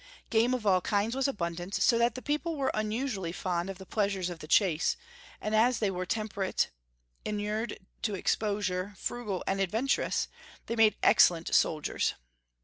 Game of all kinds was abundant, so that the people were unusually fond of the pleasures of the chase; and as they were temperate, inured to exposure, frugal, and adventurous, they made excellent soldiers.